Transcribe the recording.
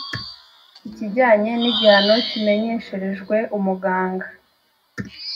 ikijyanye n’igihano kimenyesherejwe umuganga